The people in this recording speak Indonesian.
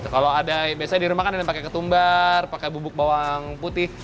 kalau ada biasanya di rumah kan ada yang pakai ketumbar pakai bubuk bawang putih